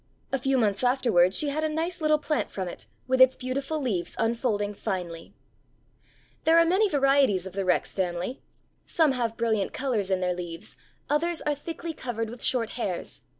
A few months afterward she had a nice little plant from it, with its beautiful leaves unfolding finely. There are many varieties of the Rex family; some have brilliant colors in their leaves, others are thickly covered with short hairs.